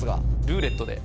「ルーレット」で。